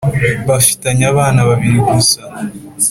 bafitanye abana babiri gusa